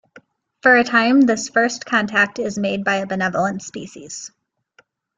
For a time, this first contact is made by a benevolent species.